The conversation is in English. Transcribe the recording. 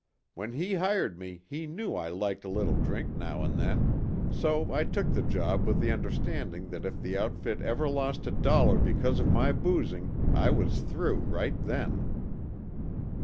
When he hired me he knew I liked a little drink now and then, so I took the job with the understanding that if the outfit ever lost a dollar because of my boozing, I was through right then."